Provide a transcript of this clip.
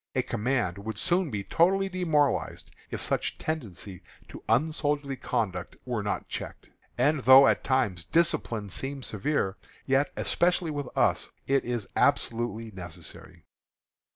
A command would soon be totally demoralized, if such tendencies to unsoldierly conduct were not checked. And though at times discipline seems severe, yet, especially with us, it is absolutely necessary.